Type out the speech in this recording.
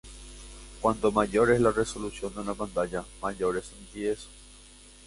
Cuanto mayor es la resolución de una pantalla, mayor es su nitidez.